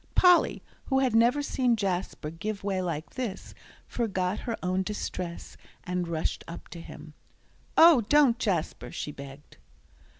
Polly, who had never seen Jasper give way like this, forgot her own distress, and rushed up to him. "Oh, don't, Jasper," she begged.